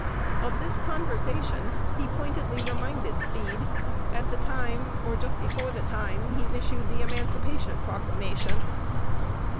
Of this conversation he pointedly reminded Speed at the time, or just before the time, he issued the Emancipation Proclamation.